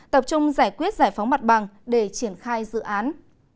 tập trung giải quyết giải phóng mặt bằng để triển khai dự án